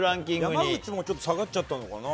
山口もちょっと下がっちゃったのかな。